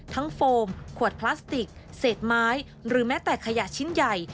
โฟมขวดพลาสติกเศษไม้หรือแม้แต่ขยะชิ้นใหญ่